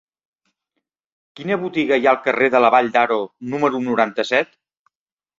Quina botiga hi ha al carrer de la Vall d'Aro número noranta-set?